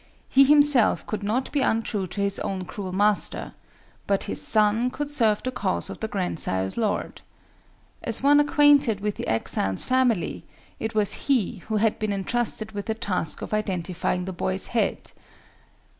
He himself could not be untrue to his own cruel master; but his son could serve the cause of the grandsire's lord. As one acquainted with the exile's family, it was he who had been entrusted with the task of identifying the boy's head.